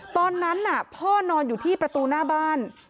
ตอนนั้นพ่อนอนอยู่ที่ประตูหน้าบ้าน